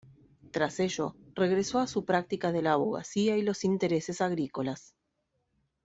Tras ello, regresó a su práctica de la abogacía y los intereses agrícolas.